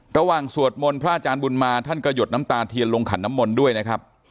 สวดมนต์พระอาจารย์บุญมาท่านก็หยดน้ำตาเทียนลงขันน้ำมนต์ด้วยนะครับ